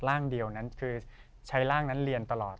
ร่างเดียวนั้นคือใช้ร่างนั้นเรียนตลอด